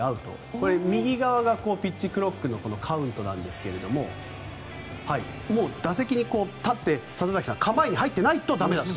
これ、右側がピッチクロックのカウントですがもう打席に立って里崎さん、構えに入ってないと駄目だという。